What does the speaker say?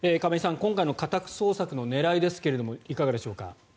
今回の家宅捜索の狙いですがいかがでしょうか。